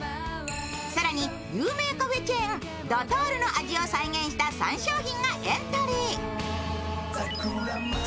更に有名カフェチェーン、ドトールの味を再現した３商品がエントリー。